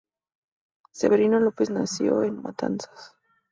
Severino López nació en Matanzas.